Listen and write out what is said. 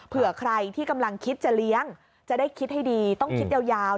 เผื่อใครที่กำลังคิดจะเลี้ยงจะได้คิดให้ดีต้องคิดยาว